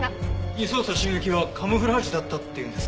輸送車襲撃はカムフラージュだったっていうんですか？